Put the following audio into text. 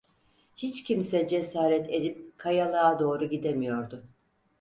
Hiç kimse cesaret edip, kayalığa doğru gidemiyordu.